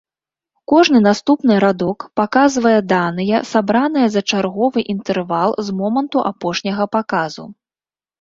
Кожны наступны радок паказвае даныя, сабраныя за чарговы інтэрвал з моманту апошняга паказу.